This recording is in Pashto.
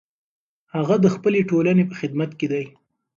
هغه د خپلې ټولنې په خدمت کې دی.